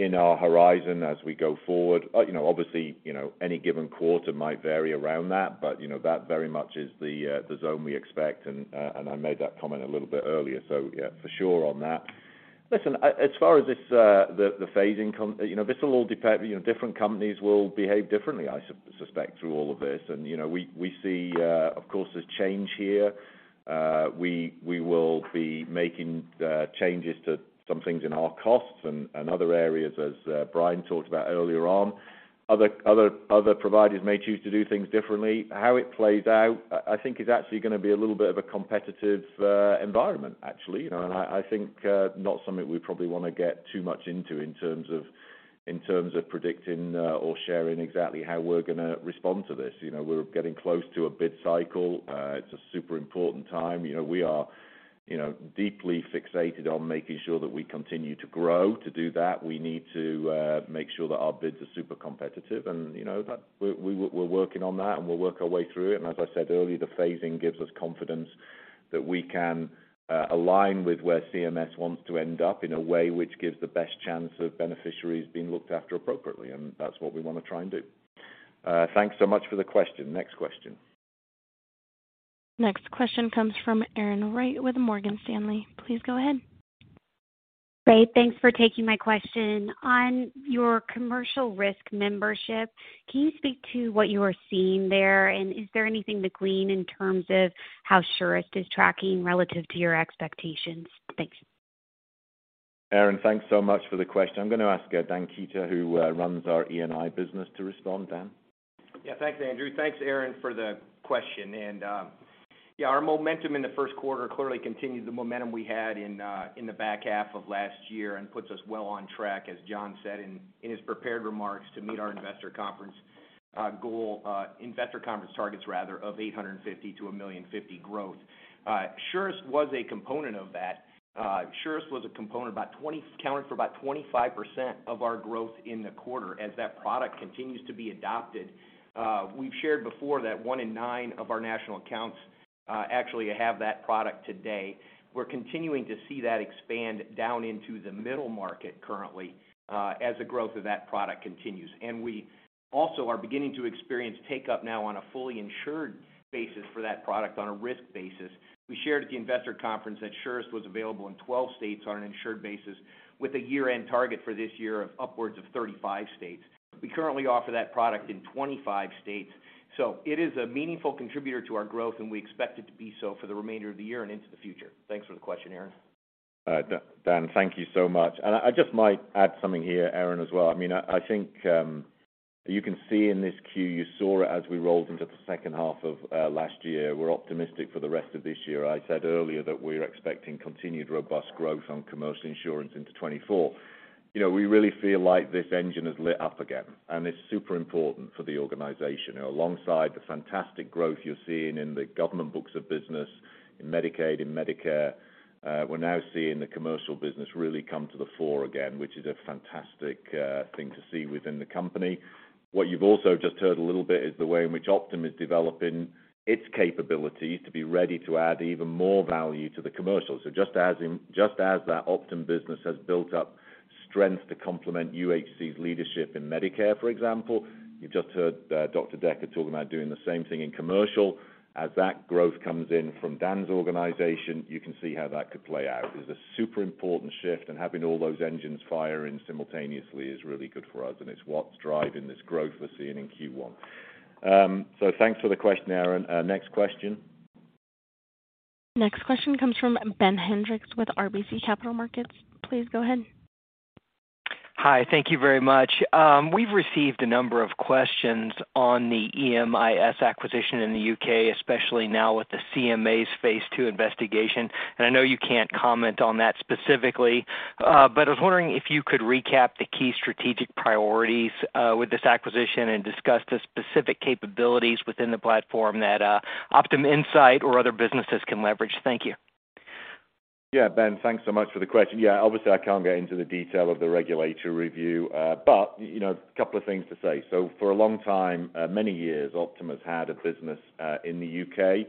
in our horizon as we go forward. You know, obviously, you know, any given quarter might vary around that, but you know, that very much is the zone we expect, and I made that comment a little bit earlier. Yeah, for sure on that. As far as this, the phasing, you know, this will all depend. You know, different companies will behave differently, I suspect, through all of this. You know, we see, of course, there's change here. We will be making changes to some things in our costs and other areas as Brian talked about earlier on. Other providers may choose to do things differently. How it plays out, I think is actually gonna be a little bit of a competitive environment, actually. You know, and I think, not something we probably wanna get too much into in terms of predicting or sharing exactly how we're gonna respond to this. You know, we're getting close to a bid cycle. It's a super important time. You know, we are, you know, deeply fixated on making sure that we continue to grow. To do that, we need to make sure that our bids are super competitive and, you know, that we're working on that, and we'll work our way through it. As I said earlier, the phasing gives us confidence that we can align with where CMS wants to end up in a way which gives the best chance of beneficiaries being looked after appropriately. That's what we wanna try and do. Thanks so much for the question. Next question. Next question comes from Erin Wright with Morgan Stanley. Please go ahead. Great. Thanks for taking my question. On your commercial risk membership, can you speak to what you are seeing there? Is there anything to glean in terms of how Surest is tracking relative to your expectations? Thanks. Erin, thanks so much for the question. I'm gonna ask, Dan Kueter, who runs our E&I business to respond. Dan? Yeah. Thanks, Andrew. Thanks, Erin, for the question. Yeah, our momentum in the Q1 clearly continued the momentum we had in the back half of last year and puts us well on track, as John said in his prepared remarks, to meet our Investor Conference goal, Investor Conference targets rather of 850-1,050,000 growth. Surest was a component of that. Surest was a component counted for about 25% of our growth in the quarter as that product continues to be adopted. We've shared before that one in nine of our national accounts, actually have that product today. We're continuing to see that expand down into the middle market currently, as the growth of that product continues. We also are beginning to experience take up now on a fully insured basis for that product on a risk basis. We shared at the Investor Conference that Surest was available in 12 states on an insured basis with a year-end target for this year of upwards of 35 states. We currently offer that product in 25 states. It is a meaningful contributor to our growth, and we expect it to be so for the remainder of the year and into the future. Thanks for the question, Erin. Dan, thank you so much. I just might add something here, Erin, as well. I mean, I think you can see in this queue, you saw as we rolled into the second half of last year, we're optimistic for the rest of this year. I said earlier that we're expecting continued robust growth on commercial insurance into 2024. You know, we really feel like this engine has lit up again, and it's super important for the organization. You know, alongside the fantastic growth you're seeing in the government books of business, in Medicaid and Medicare, we're now seeing the commercial business really come to the fore again, which is a fantastic thing to see within the company. What you've also just heard a little bit is the way in which Optum is developing its capabilities to be ready to add even more value to the commercial. Just as that Optum business has built up strength to complement UHC's leadership in Medicare, for example, you've just heard Dr. Decker talk about doing the same thing in commercial. As that growth comes in from Dan's organization, you can see how that could play out. It's a super important shift, and having all those engines firing simultaneously is really good for us, and it's what's driving this growth we're seeing in Q1. Thanks for the question, Erin. Next question. Next question comes from Ben Hendrix with RBC Capital Markets. Please go ahead. Hi. Thank you very much. We've received a number of questions on the EMIS acquisition in the UK, especially now with the CMA's Phase II investigation. I know you can't comment on that specifically. I was wondering if you could recap the key strategic priorities with this acquisition and discuss the specific capabilities within the platform that OptumInsight or other businesses can leverage. Thank you. Ben, thanks so much for the question. Obviously, I can't get into the detail of the regulatory review, but, you know, a couple of things to say. For a long time, many years, Optum has had a business in the U.K.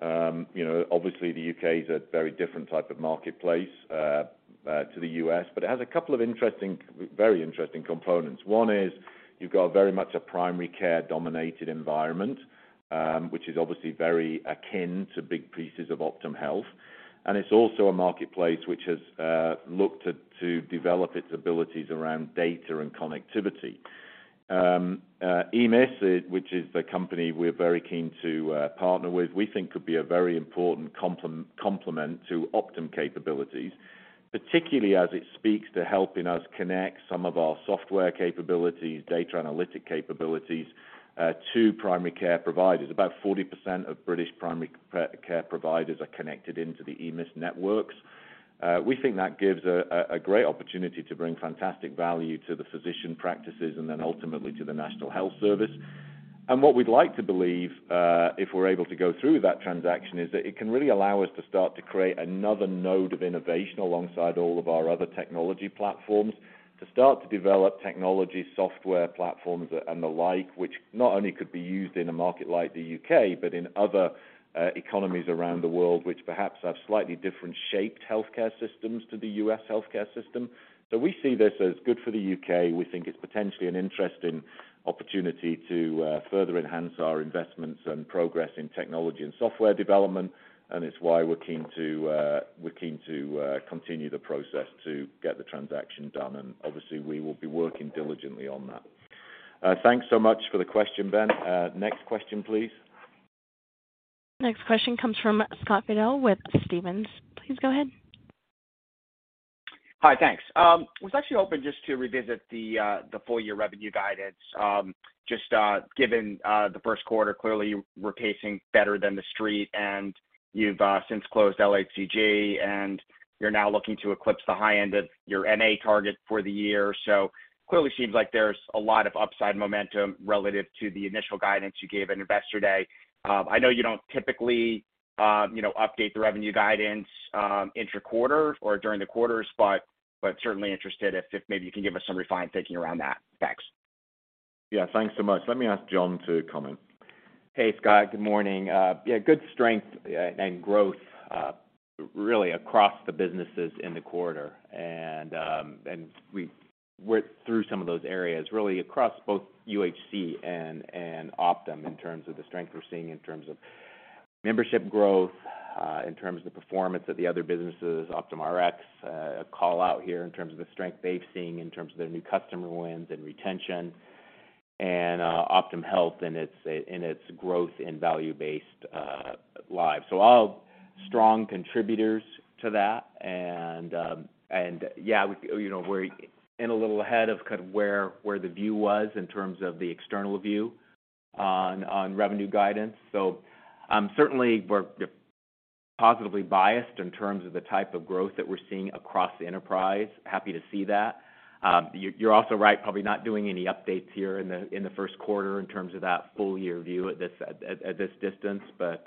You know, obviously the U.K. is a very different type of marketplace to the U.S., but it has a couple of interesting, very interesting components. One is you've got very much a primary care dominated environment, which is obviously very akin to big pieces of Optum Health. It's also a marketplace which has looked at to develop its abilities around data and connectivity. EMIS, which is the company we're very keen to partner with, we think could be a very important complement to Optum capabilities, particularly as it speaks to helping us connect some of our software capabilities, data analytic capabilities to primary care providers. About 40% of British primary care providers are connected into the EMIS networks. We think that gives a great opportunity to bring fantastic value to the physician practices and then ultimately to the National Health Service. What we'd like to believe, if we're able to go through that transaction, is that it can really allow us to start to create another node of innovation alongside all of our other technology platforms to start to develop technology, software platforms and alike, which not only could be used in a market like the U.K., but in other economies around the world, which perhaps have slightly different shaped healthcare systems to the U.S. healthcare system. We see this as good for the U.K. We think it's potentially an interesting opportunity to further enhance our investments and progress in technology and software development. It's why we're keen to continue the process to get the transaction done. Obviously we will be working diligently on that. Thanks so much for the question, Ben. Next question, please. Next question comes from Scott Fidel with Stephens. Please go ahead. Hi. Thanks. was actually hoping just to revisit the full year revenue guidance. just given the Q1, clearly we're pacing better than the street, and you've since closed LHCG, and you're now looking to eclipse the high end of your MA target for the year. Clearly seems like there's a lot of upside momentum relative to the initial guidance you gave at Investor Conference. I know you don't typically, you know, update the revenue guidance intra-quarter or during the quarters, but certainly interested if maybe you can give us some refined thinking around that. Thanks. Yeah. Thanks so much. Let me ask John to comment. Hey, Scott. Good morning. Yeah, good strength and growth really across the businesses in the quarter. We went through some of those areas really across both UHC and Optum in terms of the strength we're seeing in terms of membership growth, in terms of performance of the other businesses, Optum Rx, a call out here in terms of the strength they've seen in terms of their new customer wins and retention and Optum Health and its and its growth in value-based lives. Strong contributors to that and yeah, we, you know, we're in a little ahead of kind of where the view was in terms of the external view on revenue guidance. Certainly, we're positively biased in terms of the type of growth that we're seeing across the enterprise. Happy to see that. You're also right, probably not doing any updates here in the Q1 in terms of that full year view at this distance, but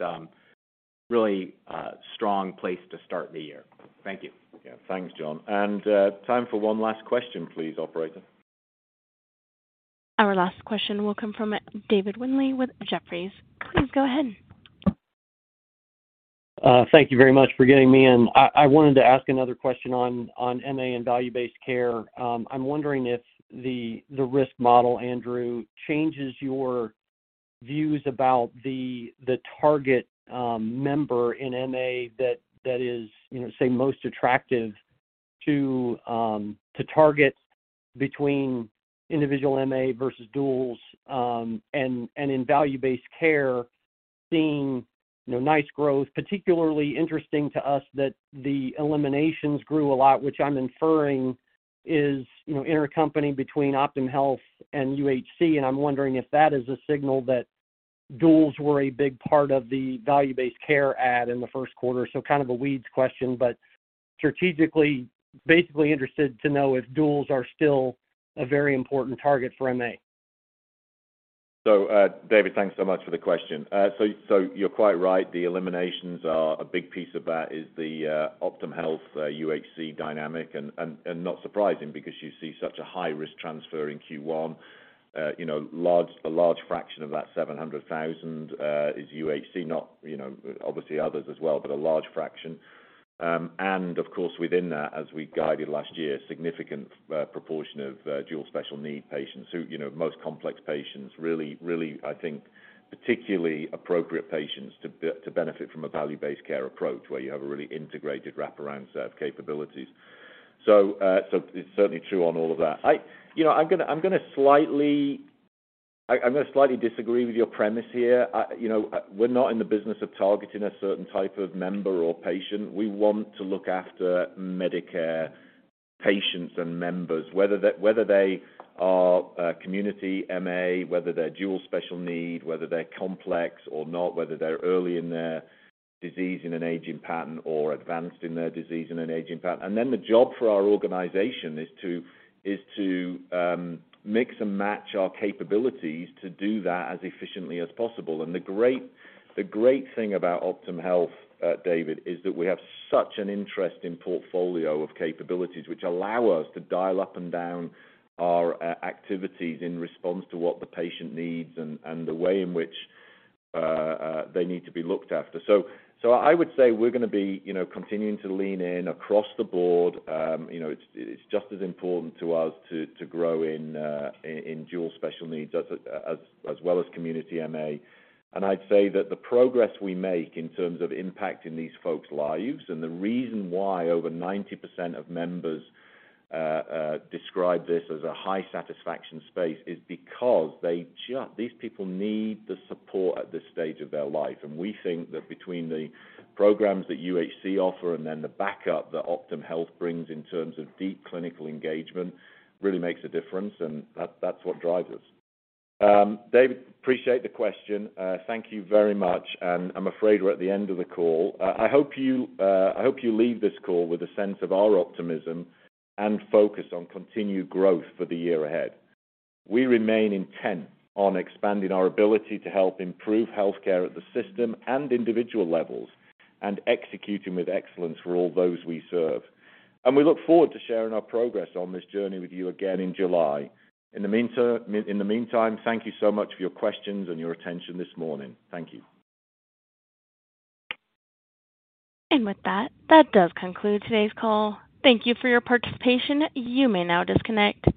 really strong place to start the year. Thank you. Yeah. Thanks, John. Time for one last question, please, operator. Our last question will come from David Windley with Jefferies. Please go ahead. Thank you very much for getting me in. I wanted to ask another question on MA and value-based care. I'm wondering if the risk model, Andrew, changes your views about the target member in MA that is, you know, say, most attractive to target between individual MA versus duals, and in value-based care, seeing, you know, nice growth, particularly interesting to us that the eliminations grew a lot, which I'm inferring is, you know, intercompany between Optum Health and UHC, and I'm wondering if that is a signal that duals were a big part of the value-based care ad in the Q1. Kind of a weeds question, but strategically, basically interested to know if duals are still a very important target for MA. David, thanks so much for the question. You're quite right, the eliminations are a big piece of that is the Optum Health UHC dynamic and not surprising because you see such a high-risk transfer in Q1. You know, a large fraction of that $700,000 is UHC, not, you know, obviously others as well, but a large fraction. Of course, within that, as we guided last year, significant proportion of dual special need patients who, you know, most complex patients really, I think, particularly appropriate patients to benefit from a value-based care approach where you have a really integrated wraparound set of capabilities. It's certainly true on all of that. You know, I'm gonna slightly disagree with your premise here. You know, we're not in the business of targeting a certain type of member or patient. We want to look after Medicare patients and members, whether they are community MA, whether they're dual special need, whether they're complex or not, whether they're early in their disease in an aging pattern or advanced in their disease in an aging pattern. The job for our organization is to mix and match our capabilities to do that as efficiently as possible. The great thing about Optum Health, David, is that we have such an interesting portfolio of capabilities which allow us to dial up and down our activities in response to what the patient needs and the way in which they need to be looked after. I would say we're gonna be continuing to lean in across the board. It's just as important to us to grow in dual special needs as well as community MA. I'd say that the progress we make in terms of impacting these folks' lives and the reason why over 90% of members describe this as a high satisfaction space, is because These people need the support at this stage of their life. We think that between the programs that UHC offer and then the backup that Optum Health brings in terms of deep clinical engagement really makes a difference, that's what drives us. David, appreciate the question. Thank you very much. I'm afraid we're at the end of the call. I hope you leave this call with a sense of our optimism and focus on continued growth for the year ahead. We remain intent on expanding our ability to help improve healthcare at the system and individual levels and executing with excellence for all those we serve. We look forward to sharing our progress on this journey with you again in July. In the meantime, thank you so much for your questions and your attention this morning. Thank you. With that does conclude today's call. Thank you for your participation. You may now disconnect.